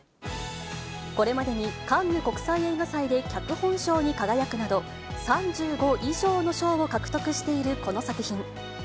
これまでにカンヌ国際映画祭で脚本賞に輝くなど、３５以上の賞を獲得しているこの作品。